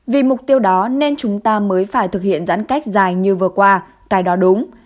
vì mục tiêu đó nên chúng ta mới phải thực hiện giãn cách dài như vừa qua cái đó đúng